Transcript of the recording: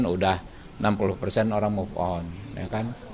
udah enam puluh orang move on